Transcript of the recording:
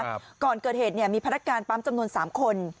ก่อนเกิดเหตุเนี่ยมีพนักการปั๊มจำนวนสามคน